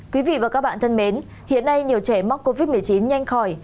quý vị và các bạn thân mến hiện nay nhiều trẻ mắc covid một mươi chín nhanh khỏi